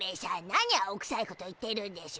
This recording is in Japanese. なに青くさいこと言ってるんでしゅ。